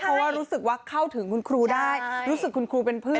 เพราะว่ารู้สึกว่าเข้าถึงคุณครูได้รู้สึกคุณครูเป็นเพื่อน